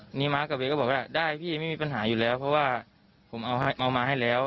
ทีนี้ม้ากับเวย์ก็บอกว่าได้พี่ไม่มีปัญหาอยู่แล้วเพราะว่าผมเอามาให้แล้ว